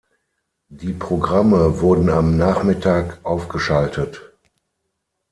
Die Programme wurden am Nachmittag aufgeschaltet.